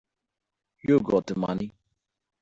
You've got the money.